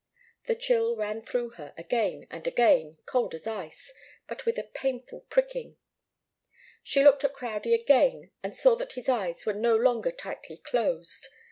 The chill ran through her again and again, cold as ice, but with a painful pricking. She looked at Crowdie again and saw that his eyes were no longer tightly closed.